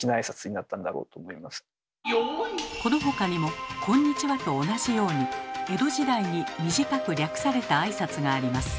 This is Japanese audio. この他にも「こんにちは」と同じように江戸時代に短く略された挨拶があります。